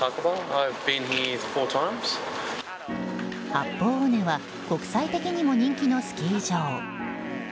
八方尾根は国際的にも人気のスキー場。